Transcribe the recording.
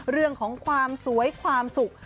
เรื่องของความสวยความสุข